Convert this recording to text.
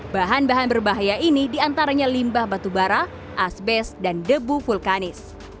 bahan bahan berbahaya ini diantaranya limbah batubara asbes dan debu vulkanis